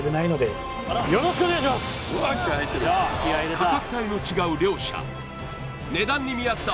価格帯の違う両者値段に見あった